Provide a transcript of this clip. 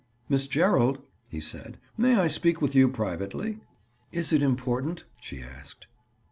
"Miss Gerald," he said, "may I speak with you privately?" "Is it important?" she asked.